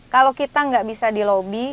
kalau kita gak bisa di lobby